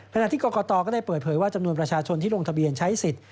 ขณะที่กรกตก็ได้เปิดเผยว่าจำนวนประชาชนที่ลงทะเบียนใช้สิทธิ์